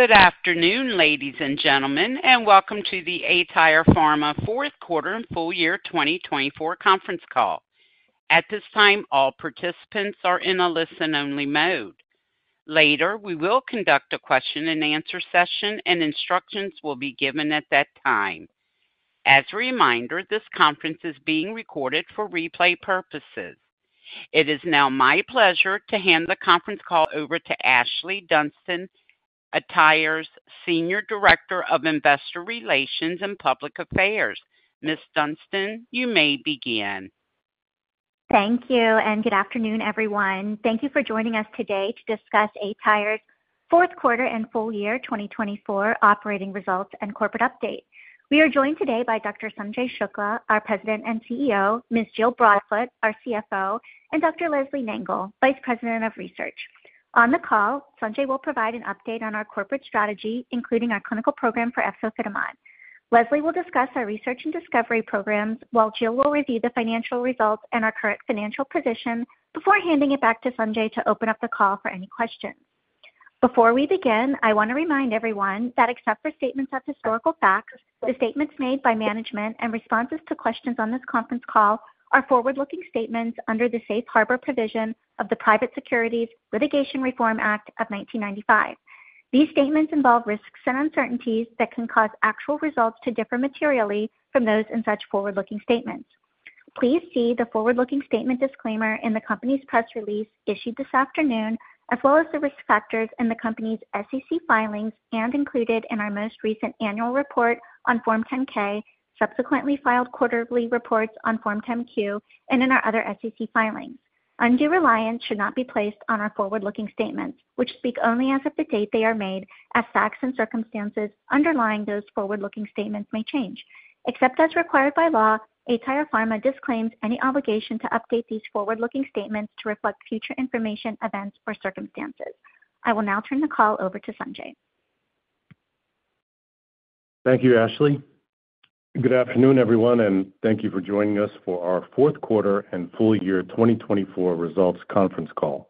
Good afternoon, ladies and gentlemen, and welcome to the aTyr Pharma Q4 and Full Year 2024 Conference Call. At this time, all participants are in a listen-only mode. Later, we will conduct a question-and-answer session, and instructions will be given at that time. As a reminder, this conference is being recorded for replay purposes. It is now my pleasure to hand the conference call over to Ashlee Dunston, aTyr's Senior Director of Investor Relations and Public Affairs. Ms. Dunston, you may begin. Thank you, and good afternoon, everyone. Thank you for joining us today to discuss aTyr Pharma's Q4 and Full Year 2024 operating results and corporate update. We are joined today by Dr. Sanjay Shukla, our President and CEO; Ms. Jill Broadfoot, our CFO; and Dr. Leslie Nangle, Vice President of Research. On the call, Sanjay will provide an update on our corporate strategy, including our clinical program for efzofitimod. Leslie will discuss our research and discovery programs, while Jill will review the financial results and our current financial position before handing it back to Sanjay to open up the call for any questions. Before we begin, I want to remind everyone that, except for statements of historical facts, the statements made by management and responses to questions on this conference call are forward-looking statements under the Safe Harbor provision of the Private Securities Litigation Reform Act of 1995. These statements involve risks and uncertainties that can cause actual results to differ materially from those in such forward-looking statements. Please see the forward-looking statement disclaimer in the company's press release issued this afternoon, as well as the risk factors in the company's SEC filings and included in our most recent annual report on Form 10-K, subsequently filed quarterly reports on Form 10-Q, and in our other SEC filings. Undue reliance should not be placed on our forward-looking statements, which speak only as of the date they are made, as facts and circumstances underlying those forward-looking statements may change. Except as required by law, aTyr Pharma disclaims any obligation to update these forward-looking statements to reflect future information, events, or circumstances. I will now turn the call over to Sanjay. Thank you, Ashlee. Good afternoon, everyone, and thank you for joining us for our Q4 and Full Year 2024 Results Conference Call.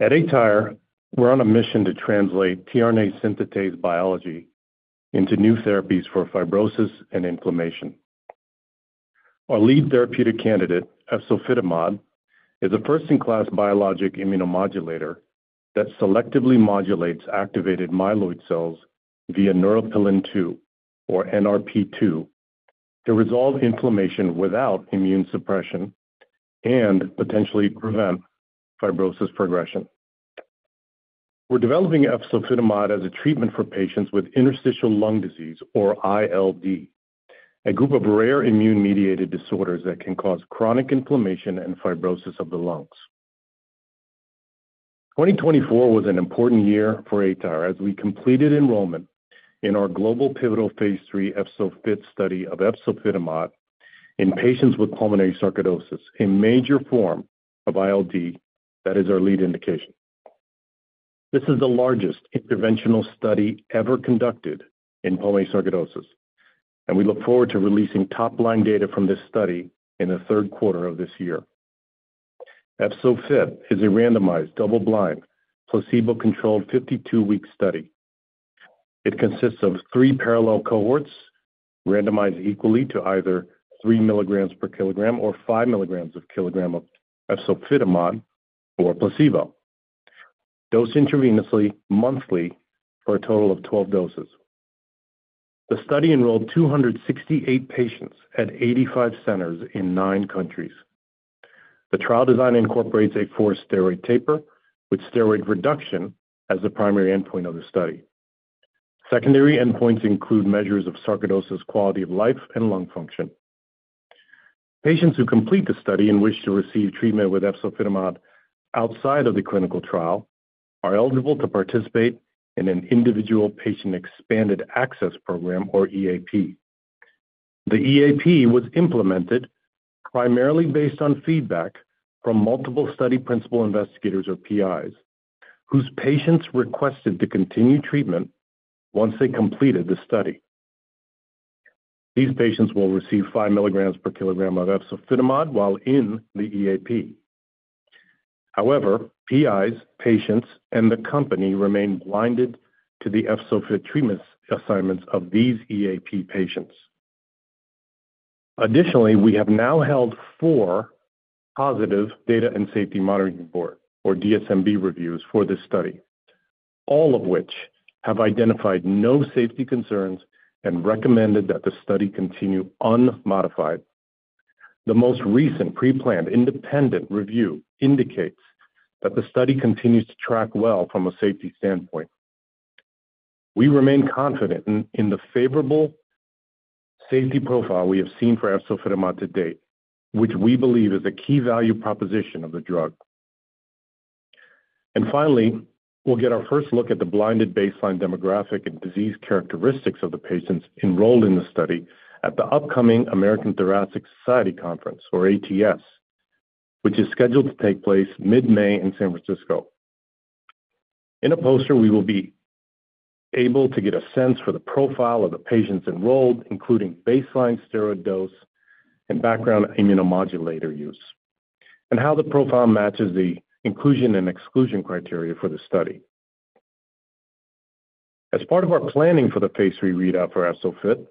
At aTyr, we're on a mission to translate tRNA synthetase biology into new therapies for fibrosis and inflammation. Our lead therapeutic candidate, efzofitimod, is a first-in-class biologic immunomodulator that selectively modulates activated myeloid cells via neuropilin-2, or NRP2, to resolve inflammation without immune suppression and potentially prevent fibrosis progression. We're developing efzofitimod as a treatment for patients with interstitial lung disease, or ILD, a group of rare immune-mediated disorders that can cause chronic inflammation and fibrosis of the lungs. 2024 was an important year for aTyr as we completed enrollment in our global pivotal phase III EFZO-FIT study of efzofitimod in patients with pulmonary sarcoidosis, a major form of ILD that is our lead indication. This is the largest interventional study ever conducted in pulmonary sarcoidosis, and we look forward to releasing top-line data from this study in the third quarter of this year. EFZO-FIT is a randomized, double-blind, placebo-controlled 52-week study. It consists of three parallel cohorts, randomized equally to either 3 mg per kg or 5 mg per kg of efzofitimod or placebo, dosed intravenously monthly for a total of 12 doses. The study enrolled 268 patients at 85 centers in nine countries. The trial design incorporates a forced steroid taper with steroid reduction as the primary endpoint of the study. Secondary endpoints include measures of sarcoidosis quality of life and lung function. Patients who complete the study and wish to receive treatment with efzofitimod outside of the clinical trial are eligible to participate in an Individual Patient Expanded Access Program, or EAP. The EAP was implemented primarily based on feedback from multiple study principal investigators, or PIs, whose patients requested to continue treatment once they completed the study. These patients will receive 5 mg per kg of efzofitimod while in the EAP. However, PIs, patients, and the company remain blinded to the EFZO-FIT treatment assignments of these EAP patients. Additionally, we have now held four positive Data and Safety Monitoring Boards, or DSMB reviews, for this study, all of which have identified no safety concerns and recommended that the study continue unmodified. The most recent pre-planned independent review indicates that the study continues to track well from a safety standpoint. We remain confident in the favorable safety profile we have seen for efzofitimod to date, which we believe is a key value proposition of the drug. Finally, we'll get our first look at the blinded baseline demographic and disease characteristics of the patients enrolled in the study at the upcoming American Thoracic Society Conference, or ATS, which is scheduled to take place mid-May in San Francisco. In a poster, we will be able to get a sense for the profile of the patients enrolled, including baseline steroid dose and background immunomodulator use, and how the profile matches the inclusion and exclusion criteria for the study. As part of our planning for the phase III readout for EFZO-FIT,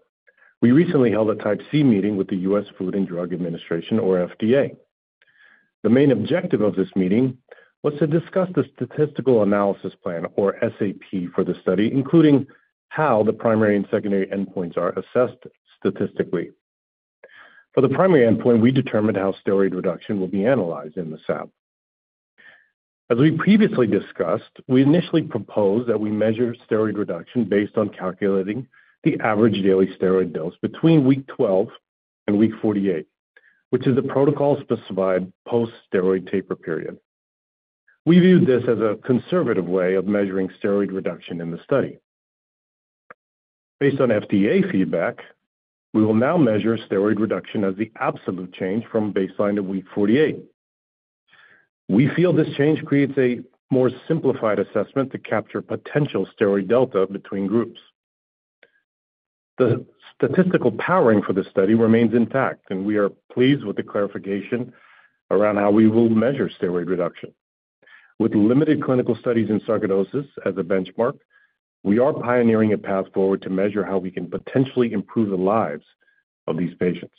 we recently held a Type C meeting with the U.S. Food and Drug Administration, or FDA. The main objective of this meeting was to discuss the statistical analysis plan, or SAP, for the study, including how the primary and secondary endpoints are assessed statistically. For the primary endpoint, we determined how steroid reduction will be analyzed in the SAP. As we previously discussed, we initially proposed that we measure steroid reduction based on calculating the average daily steroid dose between week 12 and week 48, which is the protocol-specified post-steroid taper period. We viewed this as a conservative way of measuring steroid reduction in the study. Based on FDA feedback, we will now measure steroid reduction as the absolute change from baseline to week 48. We feel this change creates a more simplified assessment to capture potential steroid delta between groups. The statistical powering for the study remains intact, and we are pleased with the clarification around how we will measure steroid reduction. With limited clinical studies in sarcoidosis as a benchmark, we are pioneering a path forward to measure how we can potentially improve the lives of these patients.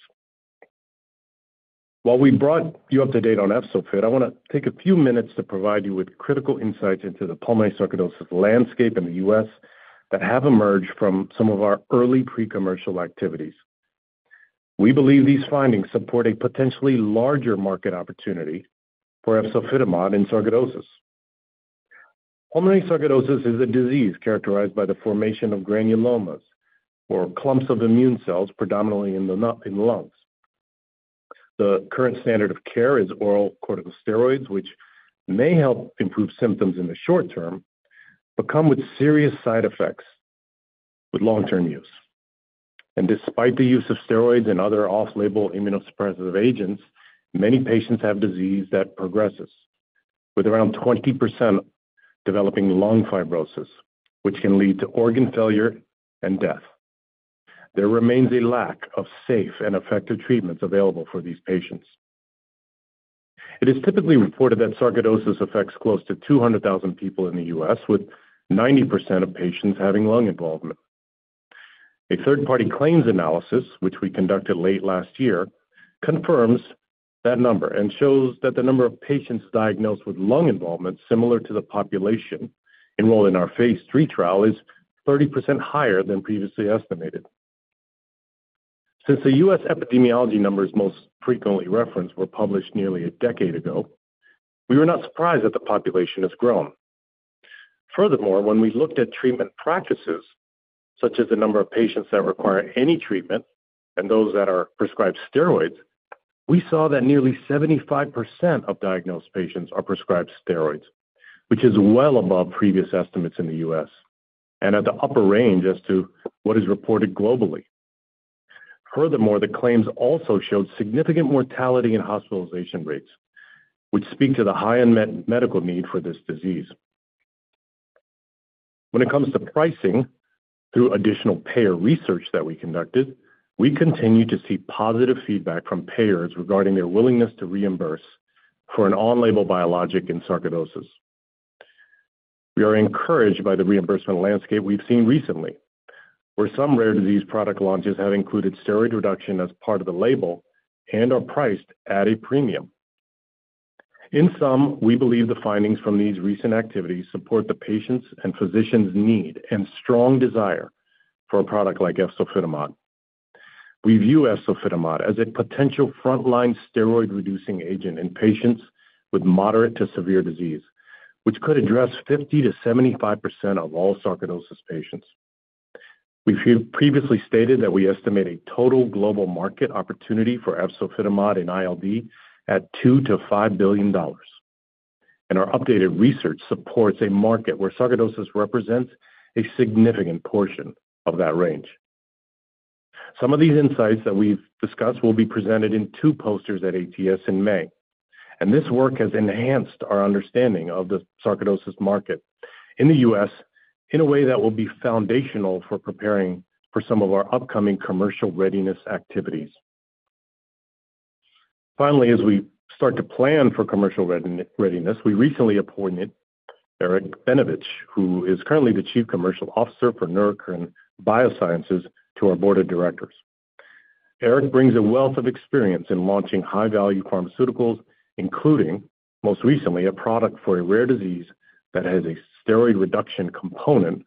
While we brought you up to date on EFZO-FIT, I want to take a few minutes to provide you with critical insights into the pulmonary sarcoidosis landscape in the U.S. that have emerged from some of our early pre-commercial activities. We believe these findings support a potentially larger market opportunity for efzofitimod in sarcoidosis. Pulmonary sarcoidosis is a disease characterized by the formation of granulomas, or clumps of immune cells, predominantly in the lungs. The current standard of care is oral corticosteroids, which may help improve symptoms in the short term but come with serious side effects with long-term use. Despite the use of steroids and other off-label immunosuppressive agents, many patients have disease that progresses, with around 20% developing lung fibrosis, which can lead to organ failure and death. There remains a lack of safe and effective treatments available for these patients. It is typically reported that sarcoidosis affects close to 200,000 people in the U.S., with 90% of patients having lung involvement. A third-party claims analysis, which we conducted late last year, confirms that number and shows that the number of patients diagnosed with lung involvement similar to the population enrolled in our phase III trial is 30% higher than previously estimated. Since the U.S. epidemiology numbers most frequently referenced were published nearly a decade ago, we were not surprised that the population has grown. Furthermore, when we looked at treatment practices, such as the number of patients that require any treatment and those that are prescribed steroids, we saw that nearly 75% of diagnosed patients are prescribed steroids, which is well above previous estimates in the U.S. and at the upper range as to what is reported globally. Furthermore, the claims also showed significant mortality and hospitalization rates, which speak to the high unmet medical need for this disease. When it comes to pricing, through additional payer research that we conducted, we continue to see positive feedback from payers regarding their willingness to reimburse for an on-label biologic in sarcoidosis. We are encouraged by the reimbursement landscape we've seen recently, where some rare disease product launches have included steroid reduction as part of the label and are priced at a premium. In sum, we believe the findings from these recent activities support the patients' and physicians' need and strong desire for a product like efzofitimod. We view efzofitimod as a potential front-line steroid-reducing agent in patients with moderate to severe disease, which could address 50%-75% of all sarcoidosis patients. We've previously stated that we estimate a total global market opportunity for efzofitimod in ILD at $2 billion-$5 billion, and our updated research supports a market where sarcoidosis represents a significant portion of that range. Some of these insights that we've discussed will be presented in two posters at ATS in May, and this work has enhanced our understanding of the sarcoidosis market in the U.S. in a way that will be foundational for preparing for some of our upcoming commercial readiness activities. Finally, as we start to plan for commercial readiness, we recently appointed Eric Benevich, who is currently the Chief Commercial Officer for Neurocrine Biosciences, to our Board of Directors. Eric brings a wealth of experience in launching high-value pharmaceuticals, including most recently a product for a rare disease that has a steroid reduction component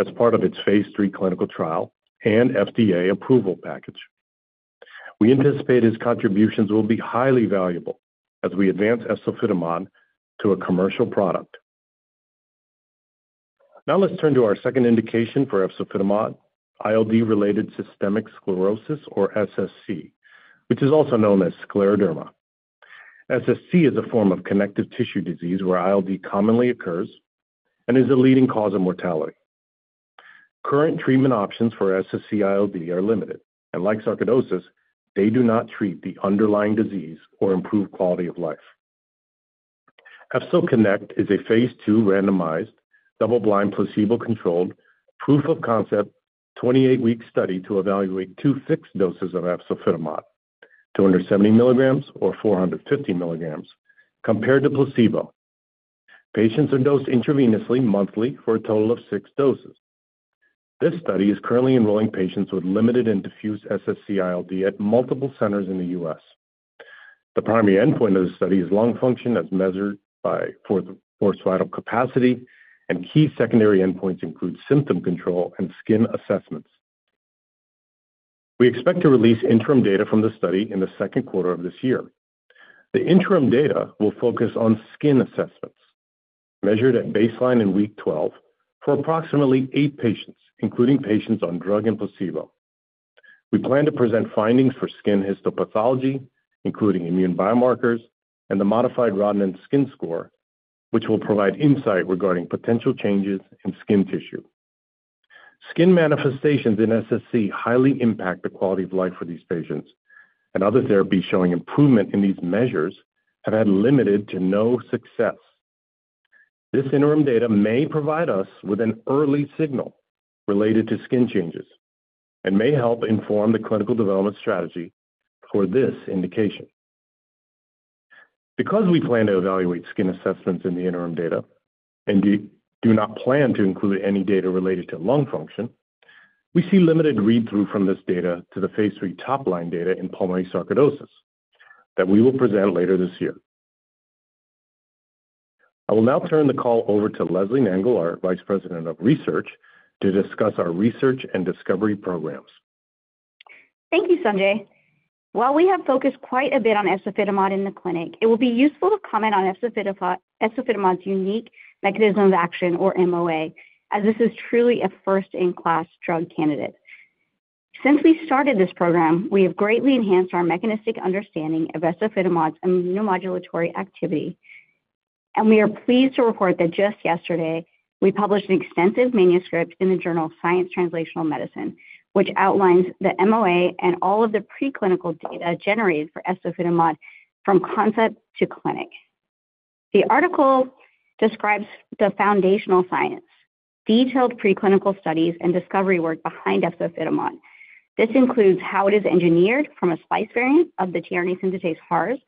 as part of its phase III clinical trial and FDA approval package. We anticipate his contributions will be highly valuable as we advance efzofitimod to a commercial product. Now let's turn to our second indication for efzofitimod: ILD-related systemic sclerosis, or SSc, which is also known as scleroderma. SSc is a form of connective tissue disease where ILD commonly occurs and is a leading cause of mortality. Current treatment options for SSc-ILD are limited, and like sarcoidosis, they do not treat the underlying disease or improve quality of life. EFZO-CONNECT is a phase II randomized, double-blind, placebo-controlled, proof-of-concept 28-week study to evaluate two fixed doses of efzofitimod, 270 mg or 450 mg, compared to placebo. Patients are dosed intravenously monthly for a total of six doses. This study is currently enrolling patients with limited and diffuse SSc-ILD at multiple centers in the U.S., the primary endpoint of the study is lung function as measured by forced vital capacity, and key secondary endpoints include symptom control and skin assessments. We expect to release interim data from the study in the Q2 of this year. The interim data will focus on skin assessments measured at baseline and week 12 for approximately eight patients, including patients on drug and placebo. We plan to present findings for skin histopathology, including immune biomarkers and the modified Rodnan skin score, which will provide insight regarding potential changes in skin tissue. Skin manifestations in SSc highly impact the quality of life for these patients, and other therapies showing improvement in these measures have had limited to no success. This interim data may provide us with an early signal related to skin changes and may help inform the clinical development strategy for this indication. Because we plan to evaluate skin assessments in the interim data and do not plan to include any data related to lung function, we see limited read-through from this data to the phase III top-line data in pulmonary sarcoidosis that we will present later this year. I will now turn the call over to Leslie Nangle, our Vice President of Research, to discuss our research and discovery programs. Thank you, Sanjay. While we have focused quite a bit on efzofitimod in the clinic, it will be useful to comment on efzofitimod's unique mechanism of action, or MOA, as this is truly a first-in-class drug candidate. Since we started this program, we have greatly enhanced our mechanistic understanding of efzofitimod's immunomodulatory activity, and we are pleased to report that just yesterday we published an extensive manuscript in the journal Science Translational Medicine, which outlines the MOA and all of the preclinical data generated for efzofitimod from concept to clinic. The article describes the foundational science, detailed preclinical studies, and discovery work behind efzofitimod. This includes how it is engineered from a splice variant of the tRNA synthetase HARS,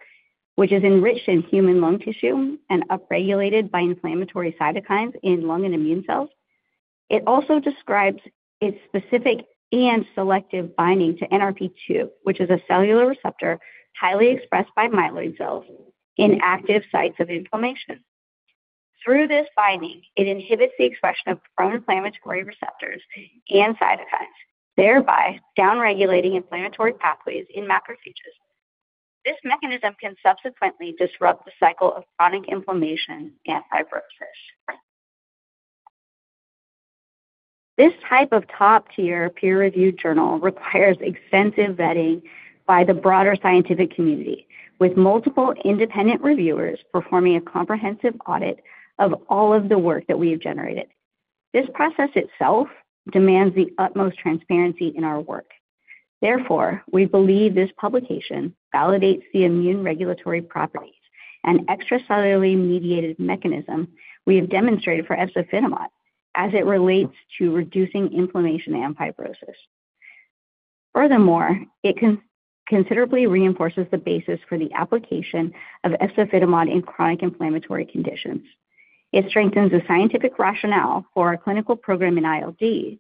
which is enriched in human lung tissue and upregulated by inflammatory cytokines in lung and immune cells. It also describes its specific and selective binding to NRP2, which is a cellular receptor highly expressed by myeloid cells in active sites of inflammation. Through this binding, it inhibits the expression of pro-inflammatory receptors and cytokines, thereby downregulating inflammatory pathways in macrophages. This mechanism can subsequently disrupt the cycle of chronic inflammation and fibrosis. This type of top-tier peer-reviewed journal requires extensive vetting by the broader scientific community, with multiple independent reviewers performing a comprehensive audit of all of the work that we have generated. This process itself demands the utmost transparency in our work. Therefore, we believe this publication validates the immune regulatory properties, an extracellularly mediated mechanism we have demonstrated for efzofitimod as it relates to reducing inflammation and fibrosis. Furthermore, it considerably reinforces the basis for the application of efzofitimod in chronic inflammatory conditions. It strengthens the scientific rationale for our clinical program in ILD,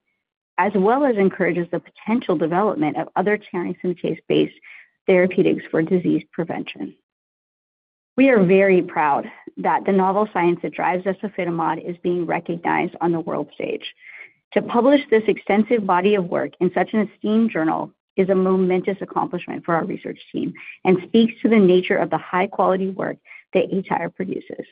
as well as encourages the potential development of other tRNA synthetase-based therapeutics for disease prevention. We are very proud that the novel science that drives efzofitimod is being recognized on the world stage. To publish this extensive body of work in such an esteemed journal is a momentous accomplishment for our research team and speaks to the nature of the high-quality work that aTyr produces.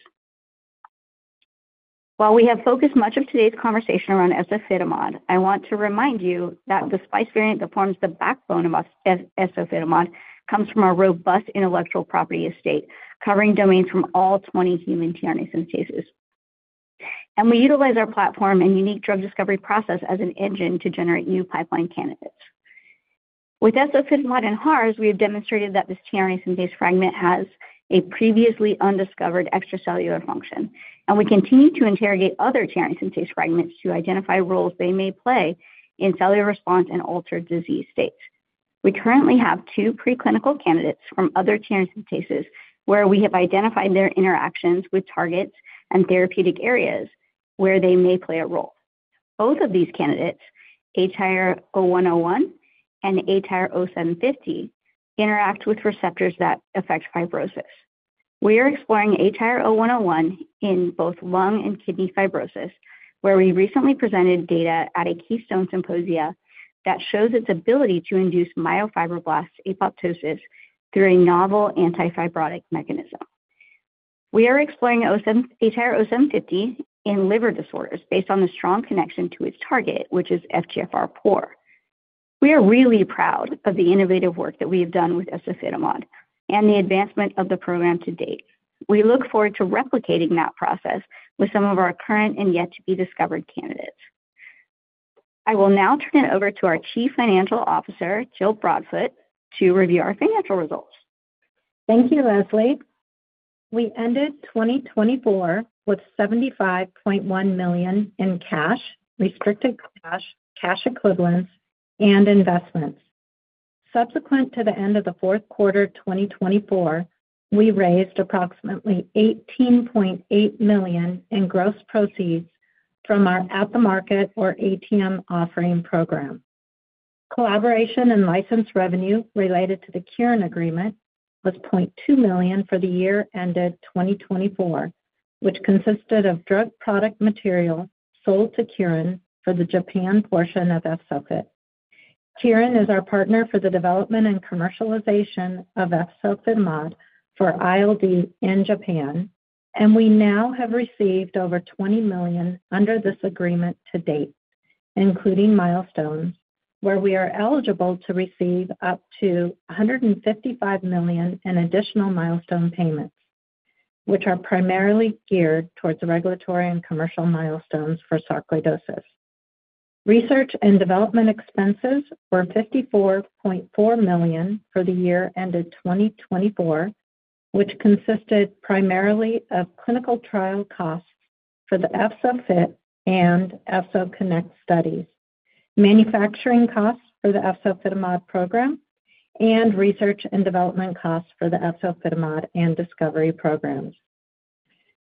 While we have focused much of today's conversation around efzofitimod, I want to remind you that the splice variant that forms the backbone of efzofitimod comes from a robust intellectual property estate covering domains from all 20 human tRNA synthetases. We utilize our platform and unique drug discovery process as an engine to generate new pipeline candidates. With efzofitimod and HARS, we have demonstrated that this tRNA synthetase fragment has a previously undiscovered extracellular function, and we continue to interrogate other tRNA synthetase fragments to identify roles they may play in cellular response and altered disease states. We currently have two preclinical candidates from other tRNA synthetases where we have identified their interactions with targets and therapeutic areas where they may play a role. Both of these candidates, ATYR0101 and ATYR0750. We are really proud of the innovative work that we have done with efzofitimod and the advancement of the program to date. We look forward to replicating that process with some of our current and yet-to-be-discovered candidates. I will now turn it over to our Chief Financial Officer, Jill Broadfoot, to review our financial results. Thank you, Leslie. We ended 2024 with $75.1 million in cash, restricted cash, cash equivalents, and investments. Subsequent to the end of the Q4 2024, we raised approximately $18.8 million in gross proceeds from our at-the-market, or ATM, offering program. Collaboration and license revenue related to the Kyorin agreement was $0.2 million for the year ended 2024, which consisted of drug product material sold to Kyorin for the Japan portion of EFZO-FIT. Kyorin is our partner for the development and commercialization of efzofitimod for ILD in Japan, and we now have received over $20 million under this agreement to date, including milestones where we are eligible to receive up to $155 million in additional milestone payments, which are primarily geared towards regulatory and commercial milestones for sarcoidosis. Research and development expenses were $54.4 million for the year ended 2024, which consisted primarily of clinical trial costs for the EFZO-FIT and EFZO-CONNECT studies, manufacturing costs for the efzofitimod program, and research and development costs for the efzofitimod and discovery programs.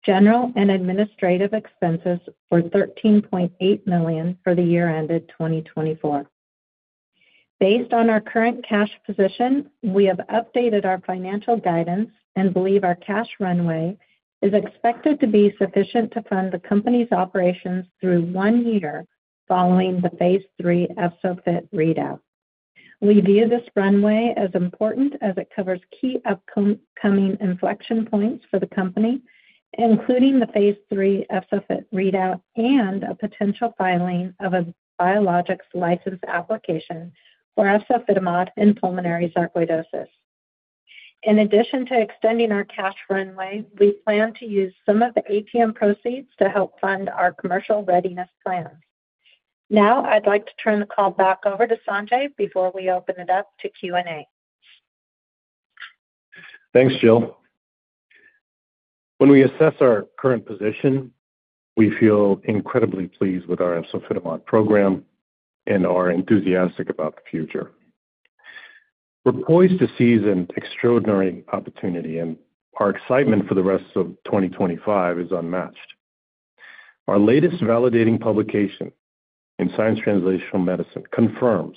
General and administrative expenses were $13.8 million for the year ended 2024. Based on our current cash position, we have updated our financial guidance and believe our cash runway is expected to be sufficient to fund the company's operations through one year following the phase III EFZO-FIT readout. We view this runway as important as it covers key upcoming inflection points for the company, including the phase III EFZO-FIT readout and a potential filing of a Biologics License Application for efzofitimod in pulmonary sarcoidosis. In addition to extending our cash runway, we plan to use some of the ATM proceeds to help fund our commercial readiness plans. Now I'd like to turn the call back over to Sanjay before we open it up to Q&A. Thanks, Jill. When we assess our current position, we feel incredibly pleased with our efzofitimod program and are enthusiastic about the future. We're poised to seize an extraordinary opportunity, and our excitement for the rest of 2025 is unmatched. Our latest validating publication in Science Translational Medicine confirms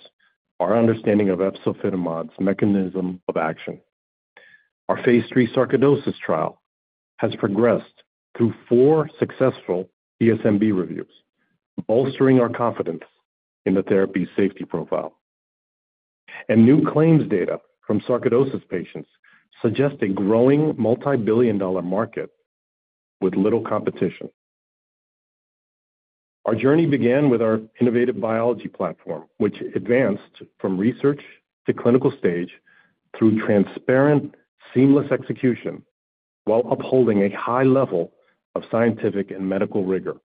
our understanding of efzofitimod's mechanism of action. Our phase III sarcoidosis trial has progressed through four successful DSMB reviews, bolstering our confidence in the therapy's safety profile. New claims data from sarcoidosis patients suggest a growing multi-billion dollar market with little competition. Our journey began with our innovative biology platform, which advanced from research to clinical stage through transparent, seamless execution while upholding a high level of scientific and medical rigor.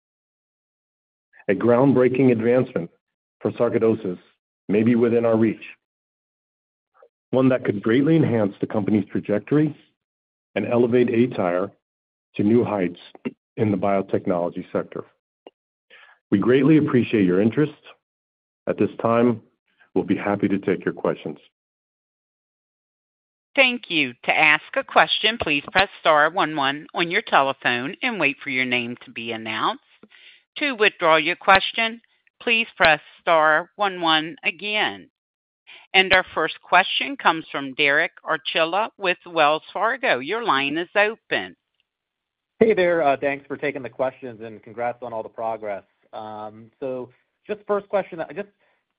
A groundbreaking advancement for sarcoidosis may be within our reach, one that could greatly enhance the company's trajectory and elevate aTyr to new heights in the biotechnology sector. We greatly appreciate your interest. At this time, we'll be happy to take your questions. Thank you. To ask a question, please press star one one on your telephone and wait for your name to be announced. To withdraw your question, please press star one one again. Our first question comes from Derek Archila with Wells Fargo. Your line is open. Hey there. Thanks for taking the questions and congrats on all the progress. Just first question, just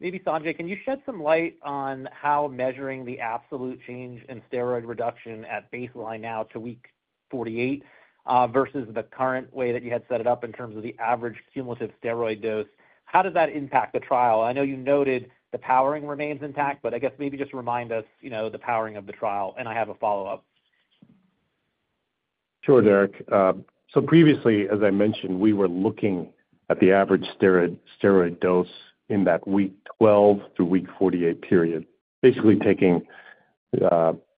maybe, Sanjay, can you shed some light on how measuring the absolute change in steroid reduction at baseline now to week 48 versus the current way that you had set it up in terms of the average cumulative steroid dose? How does that impact the trial? I know you noted the powering remains intact, but I guess maybe just remind us, you know, the powering of the trial, and I have a follow-up. Sure, Derek. Previously, as I mentioned, we were looking at the average steroid dose in that week 12 through week 48 period, basically taking the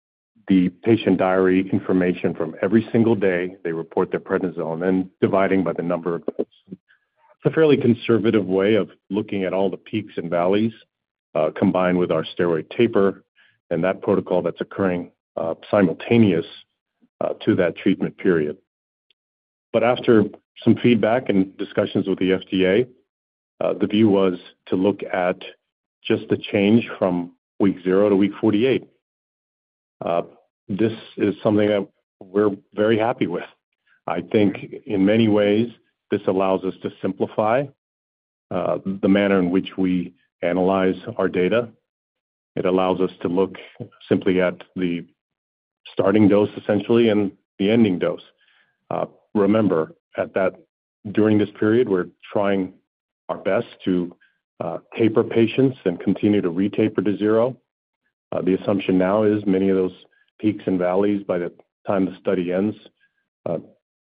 patient diary information from every single day they report their prednisone and dividing by the number of doses. It's a fairly conservative way of looking at all the peaks and valleys combined with our steroid taper and that protocol that's occurring simultaneous to that treatment period. After some feedback and discussions with the FDA, the view was to look at just the change from week 0 to week 48. This is something that we're very happy with. I think in many ways this allows us to simplify the manner in which we analyze our data. It allows us to look simply at the starting dose, essentially, and the ending dose. Remember, at that during this period, we're trying our best to taper patients and continue to re-taper to zero. The assumption now is many of those peaks and valleys by the time the study ends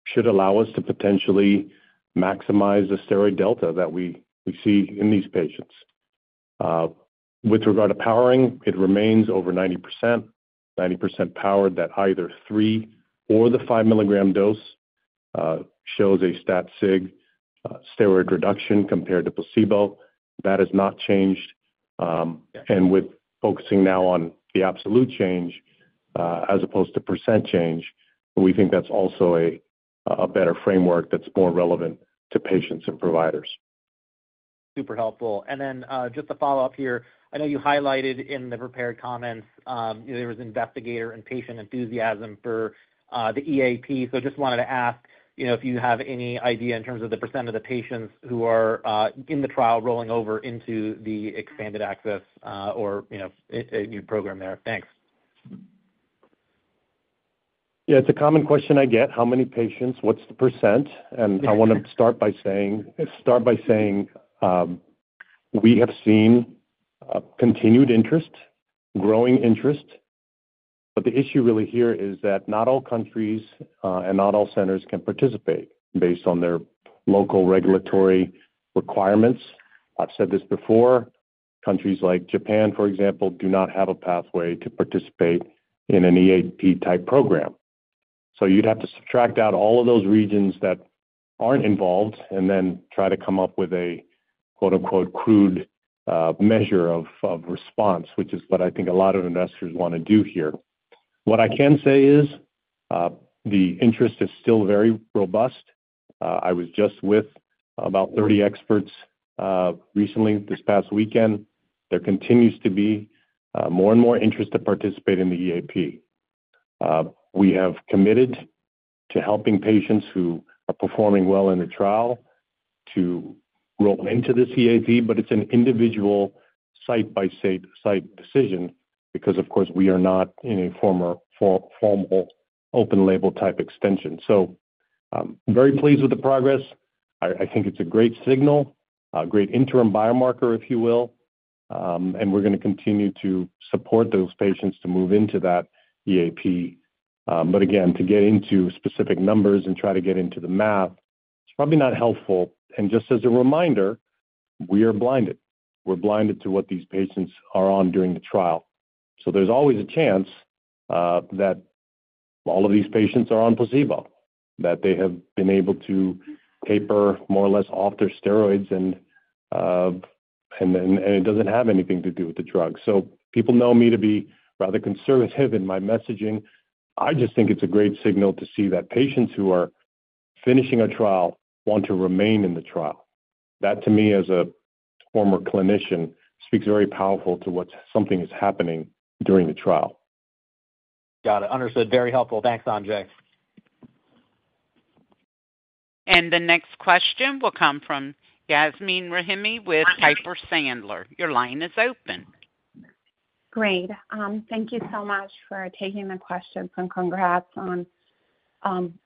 should allow us to potentially maximize the steroid delta that we see in these patients. With regard to powering, it remains over 90%, 90% powered at either 3 or the 5 mg dose, shows a stat-sig steroid reduction compared to placebo. That has not changed. With focusing now on the absolute change as opposed to percent change, we think that's also a better framework that's more relevant to patients and providers. Super helpful. Just to follow up here, I know you highlighted in the prepared comments there was investigator and patient enthusiasm for the EAP. I just wanted to ask, you know, if you have any idea in terms of the percent of the patients who are in the trial rolling over into the expanded access or, you know, new program there. Thanks. Yeah, it's a common question I get. How many patients? What's the percent? I want to start by saying we have seen continued interest, growing interest. The issue really here is that not all countries and not all centers can participate based on their local regulatory requirements. I've said this before. Countries like Japan, for example, do not have a pathway to participate in an EAP-type program. You'd have to subtract out all of those regions that aren't involved and then try to come up with a "crude" measure of response, which is what I think a lot of investors want to do here. What I can say is the interest is still very robust. I was just with about 30 experts recently this past weekend. There continues to be more and more interest to participate in the EAP. We have committed to helping patients who are performing well in the trial to roll into this EAP, but it's an individual site-by-site decision because, of course, we are not in a formal open-label type extension. I am very pleased with the progress. I think it's a great signal, a great interim biomarker, if you will. We're going to continue to support those patients to move into that EAP. Again, to get into specific numbers and try to get into the math, it's probably not helpful. Just as a reminder, we are blinded. We're blinded to what these patients are on during the trial. There's always a chance that all of these patients are on placebo, that they have been able to taper more or less off their steroids, and it doesn't have anything to do with the drug. People know me to be rather conservative in my messaging. I just think it's a great signal to see that patients who are finishing a trial want to remain in the trial. That, to me, as a former clinician, speaks very powerfully to what something is happening during the trial. Got it. Understood. Very helpful. Thanks, Sanjay. The next question will come from Yasmeen Rahimi with Piper Sandler. Your line is open. Great. Thank you so much for taking the questions and congrats on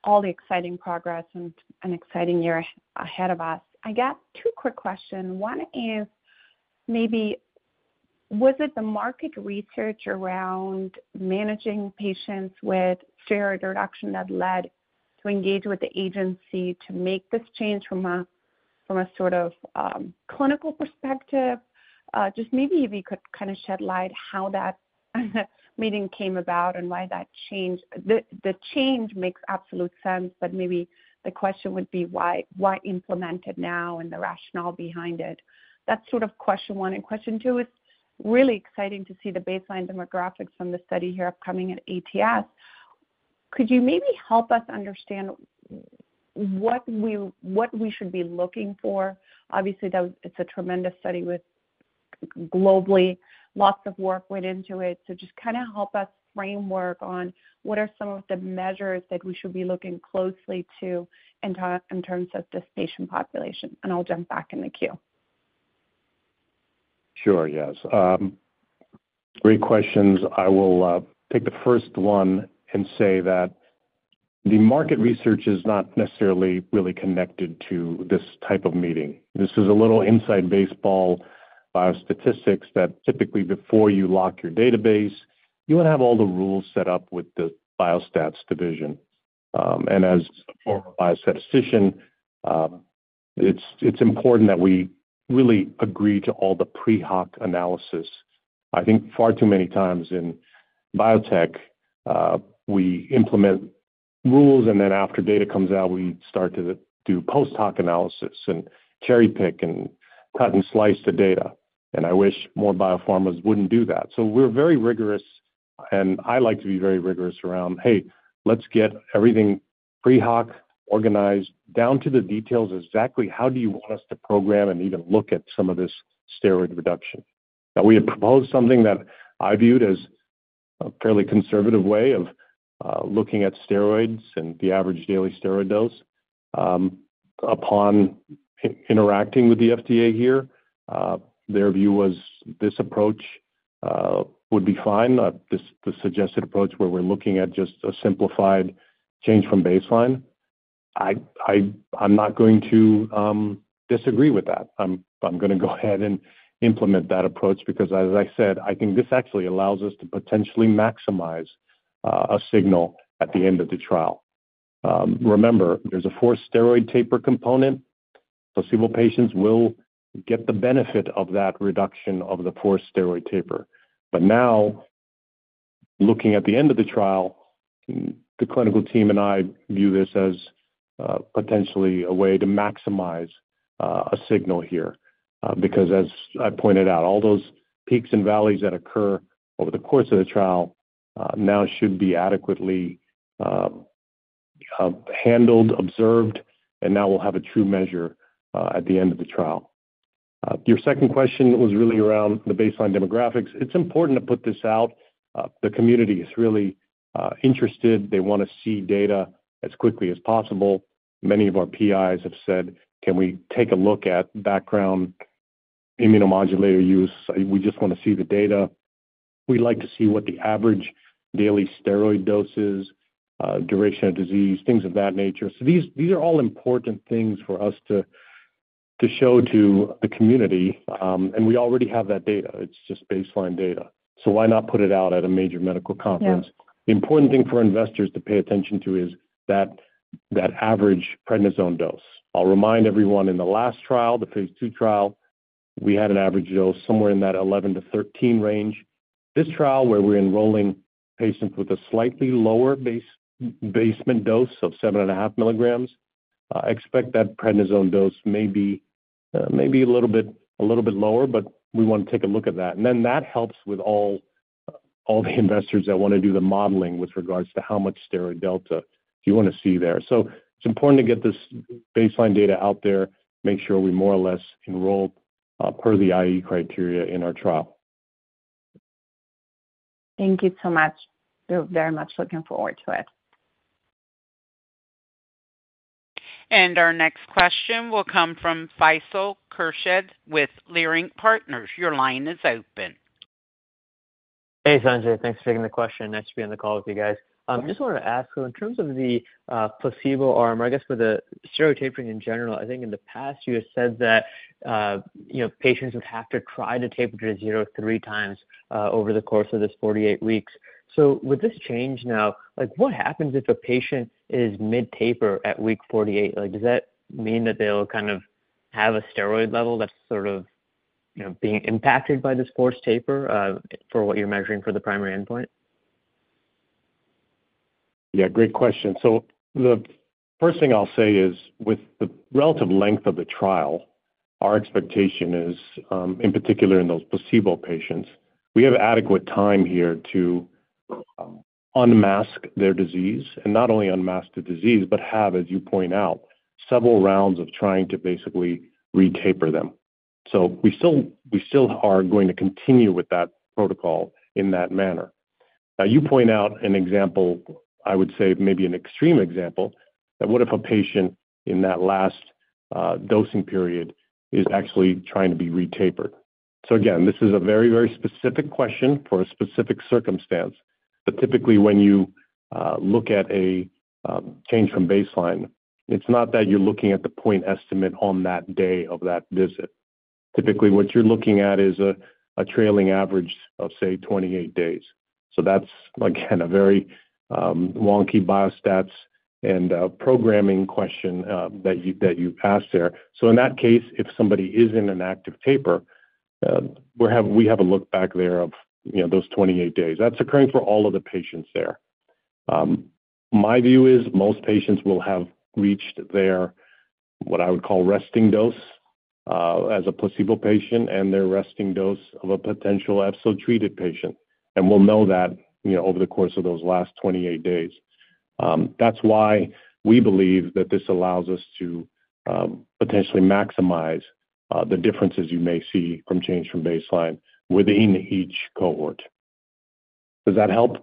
all the exciting progress and an exciting year ahead of us. I got two quick questions. One is maybe, was it the market research around managing patients with steroid reduction that led to engage with the agency to make this change from a sort of clinical perspective? Just maybe if you could kind of shed light how that meeting came about and why that change. The change makes absolute sense, but maybe the question would be why implement it now and the rationale behind it. That's sort of question one. And question two is really exciting to see the baseline demographics from the study here upcoming at ATS. Could you maybe help us understand what we should be looking for? Obviously, it's a tremendous study with globally lots of work went into it. Just kind of help us framework on what are some of the measures that we should be looking closely to in terms of this patient population. I'll jump back in the queue. Sure, yes. Great questions. I will take the first one and say that the market research is not necessarily really connected to this type of meeting. This is a little inside baseball biostatistics that typically before you lock your database, you want to have all the rules set up with the biostats division. As a former biostatistician, it's important that we really agree to all the pre-hoc analysis. I think far too many times in biotech, we implement rules, and then after data comes out, we start to do post-hoc analysis and cherry-pick and cut and slice the data. I wish more biopharmas wouldn't do that. We're very rigorous, and I like to be very rigorous around, hey, let's get everything pre-hoc, organized, down to the details exactly how do you want us to program and even look at some of this steroid reduction. Now, we had proposed something that I viewed as a fairly conservative way of looking at steroids and the average daily steroid dose. Upon interacting with the FDA here, their view was this approach would be fine, the suggested approach where we're looking at just a simplified change from baseline. I'm not going to disagree with that. I'm going to go ahead and implement that approach because, as I said, I think this actually allows us to potentially maximize a signal at the end of the trial. Remember, there's a forced steroid taper component. Placebo patients will get the benefit of that reduction of the forced steroid taper. Now, looking at the end of the trial, the clinical team and I view this as potentially a way to maximize a signal here because, as I pointed out, all those peaks and valleys that occur over the course of the trial now should be adequately handled, observed, and now we'll have a true measure at the end of the trial. Your second question was really around the baseline demographics. It's important to put this out. The community is really interested. They want to see data as quickly as possible. Many of our PIs have said, "Can we take a look at background immunomodulator use? We just want to see the data. We'd like to see what the average daily steroid dose is, duration of disease, things of that nature." These are all important things for us to show to the community. We already have that data. It's just baseline data. Why not put it out at a major medical conference? The important thing for investors to pay attention to is that average prednisone dose. I'll remind everyone in the last trial, the phase II trial, we had an average dose somewhere in that 11-13 range. This trial, where we're enrolling patients with a slightly lower baseline dose of 7.5mg, expect that prednisone dose may be a little bit lower, but we want to take a look at that. That helps with all the investors that want to do the modeling with regards to how much steroid delta you want to see there. It's important to get this baseline data out there, make sure we more or less enroll per the IE criteria in our trial. Thank you so much. We're very much looking forward to it. Our next question will come from Faisal Khurshid with Leerink Partners. Your line is open. Hey, Sanjay. Thanks for taking the question. Nice to be on the call with you guys. I just wanted to ask, in terms of the placebo arm, or I guess for the steroid tapering in general, I think in the past you had said that patients would have to try to taper to 0 3x over the course of this 48 weeks. With this change now, what happens if a patient is mid-taper at week 48? Does that mean that they'll kind of have a steroid level that's sort of being impacted by this forced taper for what you're measuring for the primary endpoint? Yeah, great question. The first thing I'll say is with the relative length of the trial, our expectation is, in particular in those placebo patients, we have adequate time here to unmask their disease and not only unmask the disease, but have, as you point out, several rounds of trying to basically re-taper them. We still are going to continue with that protocol in that manner. You point out an example, I would say maybe an extreme example, that what if a patient in that last dosing period is actually trying to be re-tapered? This is a very, very specific question for a specific circumstance. Typically when you look at a change from baseline, it's not that you're looking at the point estimate on that day of that visit. Typically, what you're looking at is a trailing average of, say, 28 days. That's, again, a very wonky biostats and programming question that you asked there. In that case, if somebody is in an active taper, we have a look back there of those 28 days. That's occurring for all of the patients there. My view is most patients will have reached their, what I would call, resting dose as a placebo patient and their resting dose of a potential Efzo treated patient. We'll know that over the course of those last 28 days. That's why we believe that this allows us to potentially maximize the differences you may see from change from baseline within each cohort. Does that help?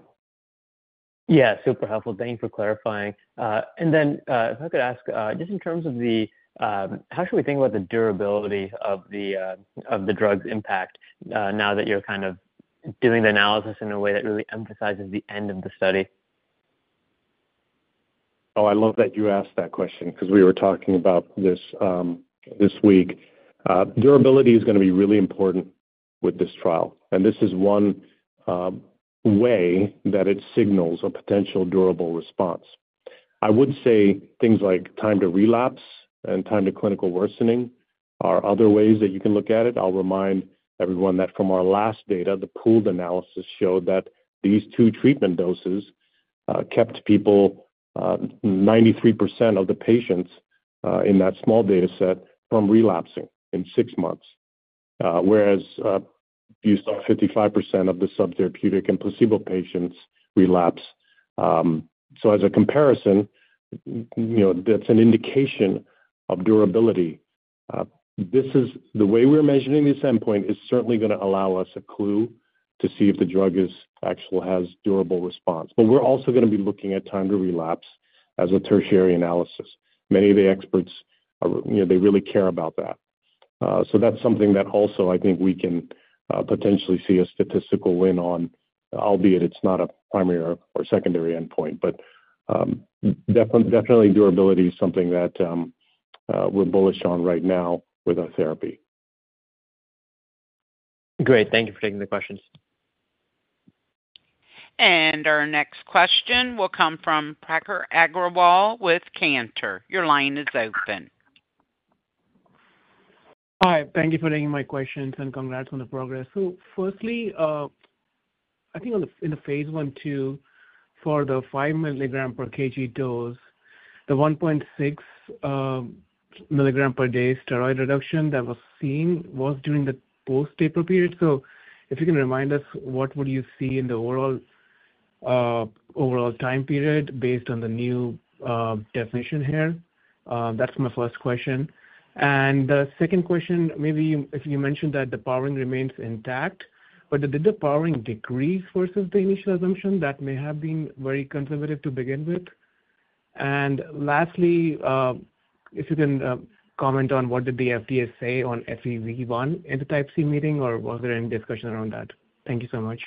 Yeah, super helpful. Thank you for clarifying. If I could ask, just in terms of how should we think about the durability of the drug's impact now that you're kind of doing the analysis in a way that really emphasizes the end of the study? Oh, I love that you asked that question because we were talking about this week. Durability is going to be really important with this trial. This is one way that it signals a potential durable response. I would say things like time to relapse and time to clinical worsening are other ways that you can look at it. I'll remind everyone that from our last data, the pooled analysis showed that these two treatment doses kept people, 93% of the patients in that small dataset, from relapsing in six months, whereas you saw 55% of the sub-therapeutic and placebo patients relapse. As a comparison, that's an indication of durability. The way we're measuring this endpoint is certainly going to allow us a clue to see if the drug actually has durable response. We're also going to be looking at time to relapse as a tertiary analysis. Many of the experts, they really care about that. That's something that also I think we can potentially see a statistical win on, albeit it's not a primary or secondary endpoint. Definitely, durability is something that we're bullish on right now with our therapy. Great. Thank you for taking the questions. Our next question will come from Prakhar Agrawal with Cantor. Your line is open. Hi. Thank you for taking my questions and congrats on the progress. Firstly, I think in the phase II for the 5 mg per kg dose, the 1.6 mg per day steroid reduction that was seen was during the post-taper period. If you can remind us, what would you see in the overall time period based on the new definition here? That's my first question. The second question, maybe if you mentioned that the powering remains intact, but did the powering decrease versus the initial assumption? That may have been very conservative to begin with. Lastly, if you can comment on what did the FDA say on FEV1 in the type C meeting, or was there any discussion around that? Thank you so much.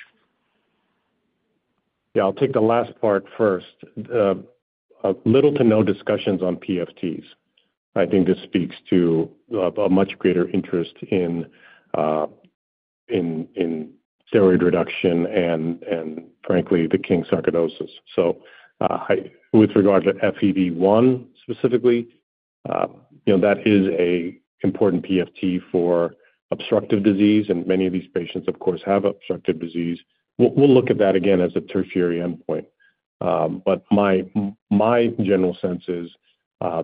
Yeah, I'll take the last part first. Little to no discussions on PFTs. I think this speaks to a much greater interest in steroid reduction and, frankly, the King's Sarcoidosis Questionnaire. With regard to FEV1 specifically, that is an important PFT for obstructive disease, and many of these patients, of course, have obstructive disease. We'll look at that again as a tertiary endpoint. My general sense is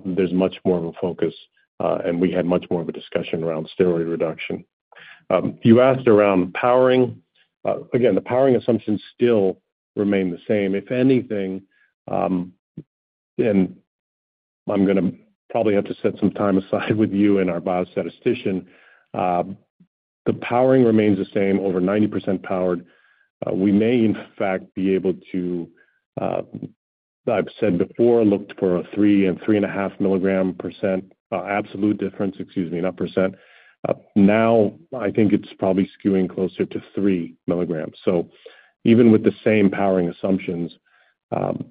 there's much more of a focus, and we had much more of a discussion around steroid reduction. You asked around powering. Again, the powering assumptions still remain the same. If anything, and I'm going to probably have to set some time aside with you and our biostatistician, the powering remains the same, over 90% powered. We may, in fact, be able to, I've said before, look for a 3 and 3.5 mg percent absolute difference, excuse me, not percent. Now, I think it's probably skewing closer to 3 mg. Even with the same powering assumptions,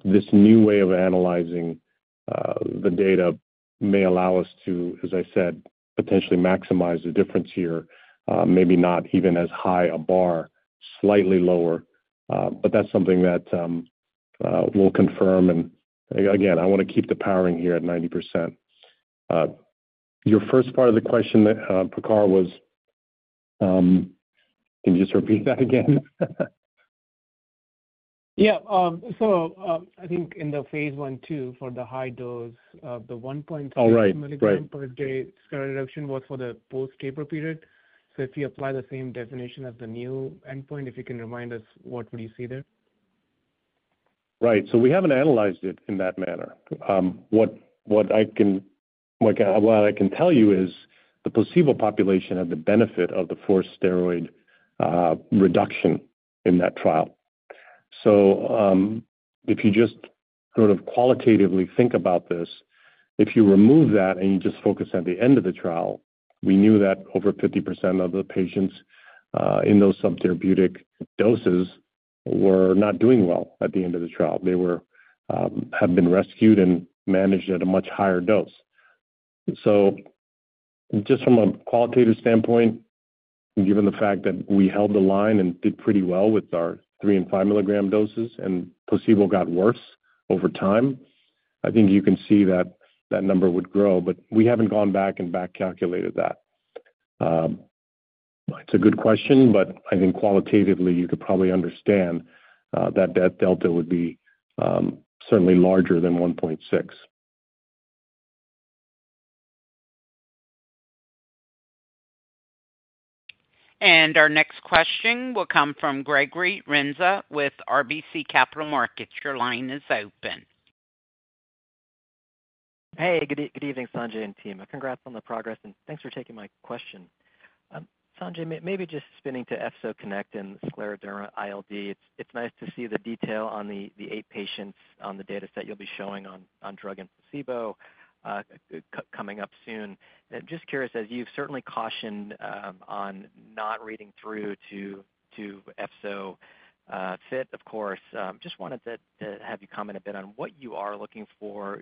this new way of analyzing the data may allow us to, as I said, potentially maximize the difference here, maybe not even as high a bar, slightly lower. That is something that we'll confirm. Again, I want to keep the powering here at 90%. Your first part of the question, Prakhar, was can you just repeat that again? Yeah. I think in the phase II for the high dose, the 1.3 mg per day steroid reduction was for the post-taper period. If you apply the same definition as the new endpoint, if you can remind us, what would you see there? Right. We haven't analyzed it in that manner. What I can tell you is the placebo population had the benefit of the forced steroid reduction in that trial. If you just sort of qualitatively think about this, if you remove that and you just focus at the end of the trial, we knew that over 50% of the patients in those sub-therapeutic doses were not doing well at the end of the trial. They had been rescued and managed at a much higher dose. Just from a qualitative standpoint, given the fact that we held the line and did pretty well with our 3 and 5 mg doses and placebo got worse over time, I think you can see that that number would grow. We haven't gone back and back calculated that. It's a good question, but I think qualitatively you could probably understand that that delta would be certainly larger than 1.6. Our next question will come from Gregory Renza with RBC Capital Markets. Your line is open. Hey, good evening, Sanjay and team. Congrats on the progress, and thanks for taking my question. Sanjay, maybe just spinning to EFZO-CONNECT and scleroderma ILD. It's nice to see the detail on the eight patients on the dataset you'll be showing on drug and placebo coming up soon. Just curious, as you've certainly cautioned on not reading through to EFZO-FIT, of course, just wanted to have you comment a bit on what you are looking for,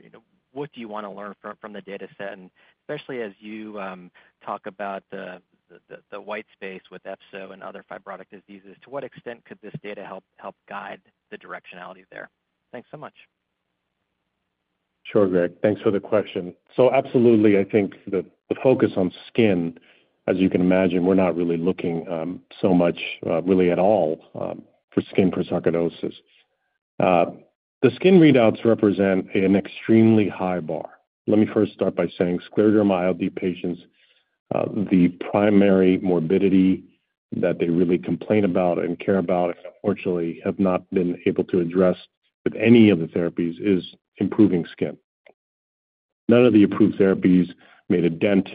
what do you want to learn from the dataset, and especially as you talk about the white space with EFZO-CONNECT and other fibrotic diseases, to what extent could this data help guide the directionality there? Thanks so much. Sure, Greg. Thanks for the question. Absolutely, I think the focus on skin, as you can imagine, we're not really looking so much really at all for skin for sarcoidosis. The skin readouts represent an extremely high bar. Let me first start by saying scleroderma ILD patients, the primary morbidity that they really complain about and care about, unfortunately, have not been able to address with any of the therapies is improving skin. None of the approved therapies made a dent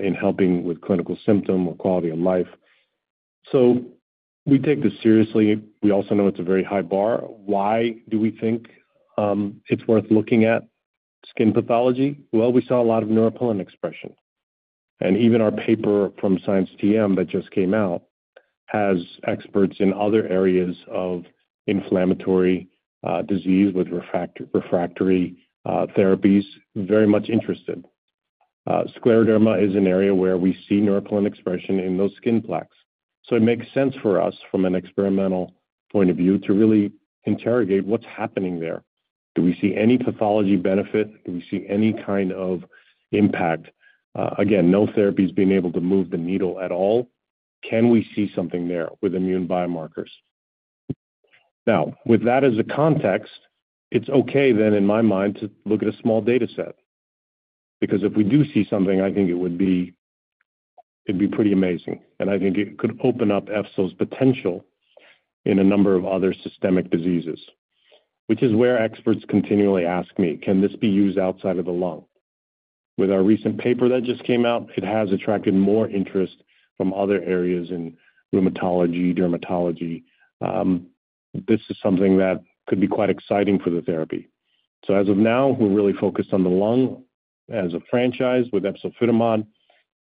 in helping with clinical symptom or quality of life. We take this seriously. We also know it's a very high bar. Why do we think it's worth looking at skin pathology? We saw a lot of neuropilin expression. Even our paper from Science TM that just came out has experts in other areas of inflammatory disease with refractory therapies very much interested. Scleroderma is an area where we see neuropilin expression in those skin plaques. It makes sense for us, from an experimental point of view, to really interrogate what's happening there. Do we see any pathology benefit? Do we see any kind of impact? Again, no therapy has been able to move the needle at all. Can we see something there with immune biomarkers? Now, with that as a context, it's okay then, in my mind, to look at a small dataset. Because if we do see something, I think it would be pretty amazing. I think it could open up Efzo's potential in a number of other systemic diseases, which is where experts continually ask me, can this be used outside of the lung? With our recent paper that just came out, it has attracted more interest from other areas in rheumatology, dermatology. This is something that could be quite exciting for the therapy. As of now, we're really focused on the lung as a franchise with efzofitimod.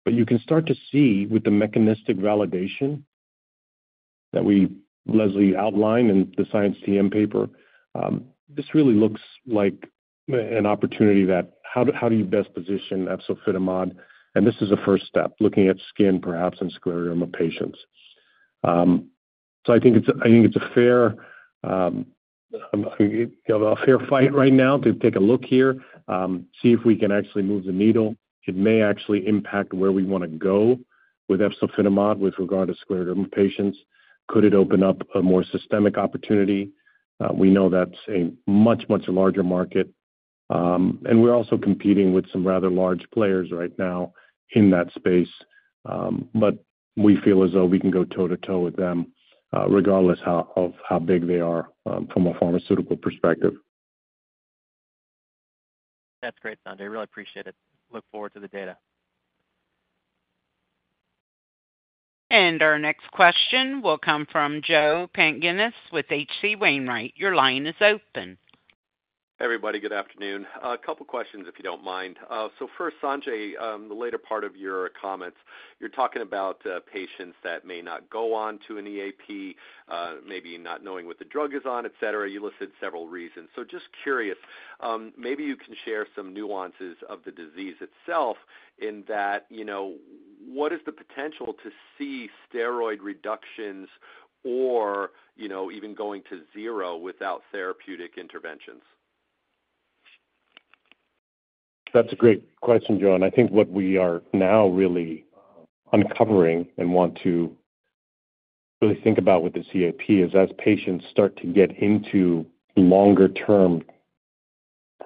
You can start to see with the mechanistic validation that Leslie outlined in the Science TM paper, this really looks like an opportunity that how do you best position efzofitimod? This is a first step, looking at skin, perhaps, in scleroderma patients. I think it's a fair fight right now to take a look here, see if we can actually move the needle. It may actually impact where we want to go with efzofitimod with regard to scleroderma patients. Could it open up a more systemic opportunity? We know that's a much, much larger market. We are also competing with some rather large players right now in that space. We feel as though we can go toe to toe with them regardless of how big they are from a pharmaceutical perspective. That's great, Sanjay. I really appreciate it. Look forward to the data. Our next question will come from Joe Pantginis with H.C. Wainwright. Your line is open. Hey, everybody. Good afternoon. A couple of questions, if you don't mind. First, Sanjay, the later part of your comments, you're talking about patients that may not go on to an EAP, maybe not knowing what the drug is on, etc. You listed several reasons. Just curious, maybe you can share some nuances of the disease itself in that what is the potential to see steroid reductions or even going to zero without therapeutic interventions? That's a great question, Joe. I think what we are now really uncovering and want to really think about with this EAP is as patients start to get into longer-term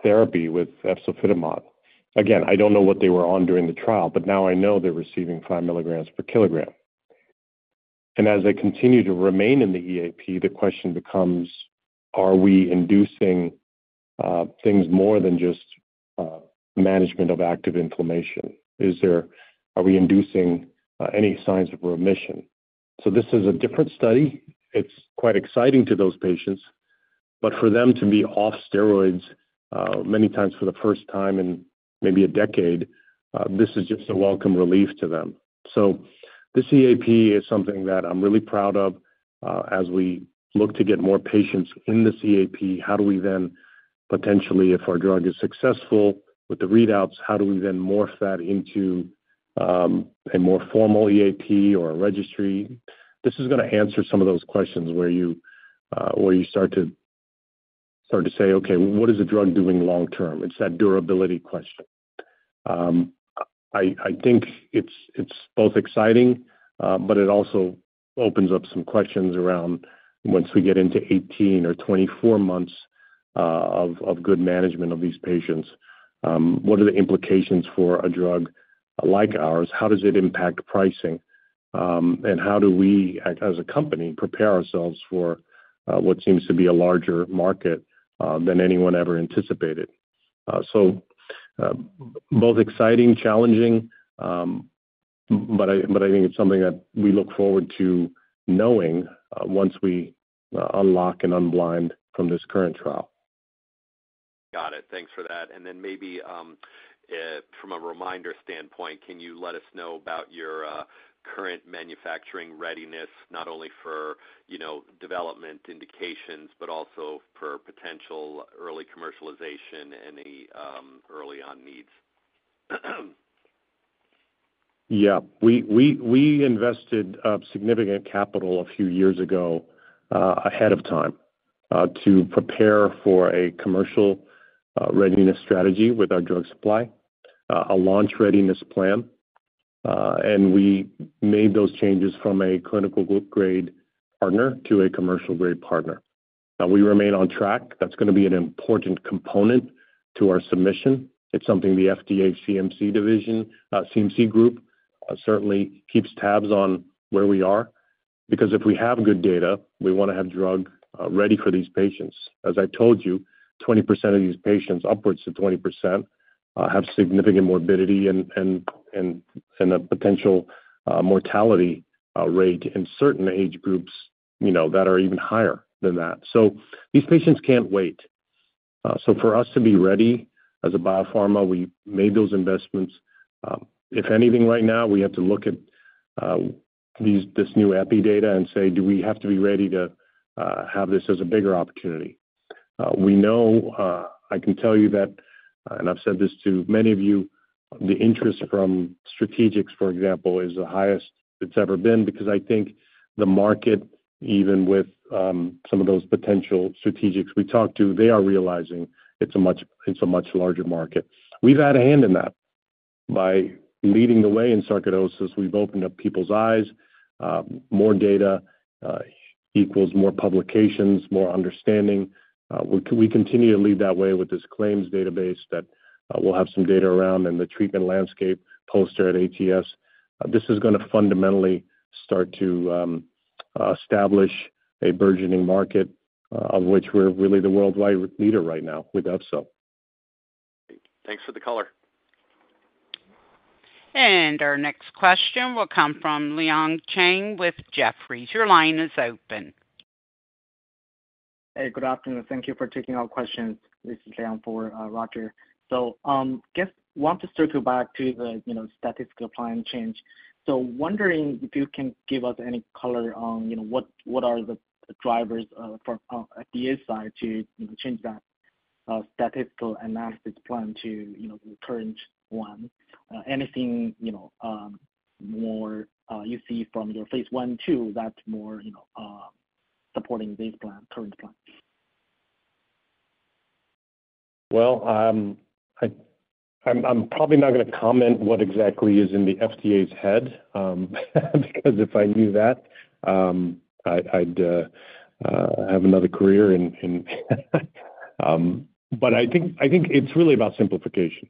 therapy with efzofitimod. Again, I don't know what they were on during the trial, but now I know they're receiving 5mg per kg. As they continue to remain in the EAP, the question becomes, are we inducing things more than just management of active inflammation? Are we inducing any signs of remission? This is a different study. It's quite exciting to those patients. For them to be off steroids many times for the first time in maybe a decade, this is just a welcome relief to them. This EAP is something that I'm really proud of. As we look to get more patients in this EAP, how do we then potentially, if our drug is successful with the readouts, how do we then morph that into a more formal EAP or a registry? This is going to answer some of those questions where you start to say, okay, what is the drug doing long term? It's that durability question. I think it's both exciting, but it also opens up some questions around once we get into 18 or 24 months of good management of these patients, what are the implications for a drug like ours? How does it impact pricing? And how do we, as a company, prepare ourselves for what seems to be a larger market than anyone ever anticipated? Both exciting, challenging, but I think it's something that we look forward to knowing once we unlock and unblind from this current trial. Got it. Thanks for that. Maybe from a reminder standpoint, can you let us know about your current manufacturing readiness, not only for development indications, but also for potential early commercialization and any early-on needs? Yeah. We invested significant capital a few years ago ahead of time to prepare for a commercial readiness strategy with our drug supply, a launch readiness plan. We made those changes from a clinical grade partner to a commercial grade partner. Now, we remain on track. That is going to be an important component to our submission. It is something the FDA CMC division, CMC group, certainly keeps tabs on where we are. Because if we have good data, we want to have drug ready for these patients. As I told you, 20% of these patients, upwards of 20%, have significant morbidity and a potential mortality rate in certain age groups that are even higher than that. These patients cannot wait. For us to be ready as a biopharma, we made those investments. If anything, right now, we have to look at this new epi data and say, do we have to be ready to have this as a bigger opportunity? We know, I can tell you that, and I've said this to many of you, the interest from strategics, for example, is the highest it's ever been because I think the market, even with some of those potential strategics we talked to, they are realizing it's a much larger market. We've had a hand in that. By leading the way in sarcoidosis, we've opened up people's eyes. More data equals more publications, more understanding. We continue to lead that way with this claims database that we'll have some data around and the treatment landscape poster at ATS. This is going to fundamentally start to establish a burgeoning market of which we're really the worldwide leader right now with Efzo. Thanks for the color. Our next question will come from Liang Cheng with Jefferies. Your line is open. Hey, good afternoon. Thank you for taking our questions. This is Liang for Roger. I guess I want to circle back to the statistical plan change. I am wondering if you can give us any color on what are the drivers for FDA's side to change that statistical analysis plan to the current one. Anything more you see from your phase I and II that's more supporting this current plan? I am probably not going to comment what exactly is in the FDA's head because if I knew that, I'd have another career in. I think it's really about simplification.